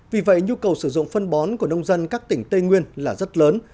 vì vậy nhu cầu sử dụng phân bón của nông dân các tỉnh tây nguyên là rất lớn